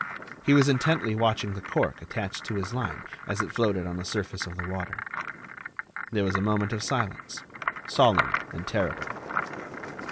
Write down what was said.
He was intently watching the cork attached to his line as it floated on the surface of the water. There was a moment of silence—solemn and terrible.